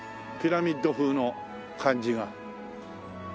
ピラミッド風の感じが。